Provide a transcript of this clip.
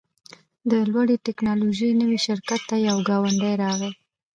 د لوړې ټیکنالوژۍ نوي شرکت ته یو ګاونډی راغی